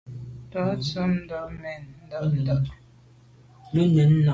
Tàb tshobt’é mèn nda’nda’.